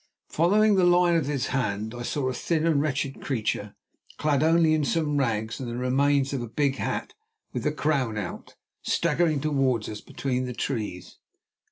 Following the line of his hand, I saw a thin and wretched creature, clad only in some rags and the remains of a big hat with the crown out, staggering towards us between the trees.